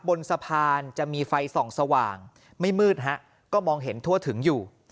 บนสะพานจะมีไฟส่องสว่างไม่มืดฮะก็มองเห็นทั่วถึงอยู่